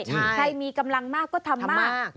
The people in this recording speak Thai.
เอาเราเป็นมีเงินค่ามีกำลังมากก็ทำมาก